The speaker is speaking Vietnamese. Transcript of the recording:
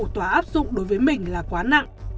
tòa áp dụng đối với mình là quá nặng